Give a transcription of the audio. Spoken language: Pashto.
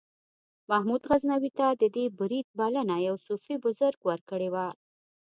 محمود غزنوي ته د دې برید بلنه یو صوفي بزرګ ورکړې وه.